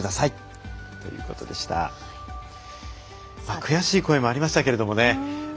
悔しい声もありましたけれどもね。